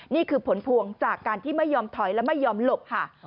นี่คือผลพวงจากการที่ไม่ยอมถอยและไม่ยอมหลบค่ะ